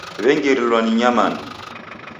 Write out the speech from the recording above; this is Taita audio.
W'engirilwa ni nyamandu.